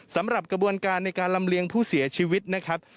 สำหรับกระบวนการในการลำเลียงผู้เสียชีวิตนะครับ